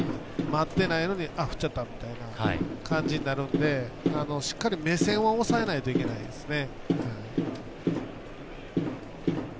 待ってないのにあっ、振っちゃったみたいな感じになるのでしっかり目線を押さえないといけないですね。